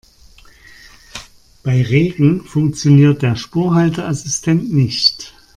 Bei Regen funktioniert der Spurhalteassistent nicht.